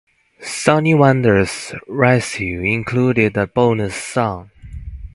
Sony Wonder's reissue included a bonus song.